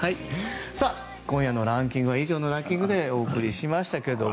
今日のランキングは以上のランキングでお送りしました。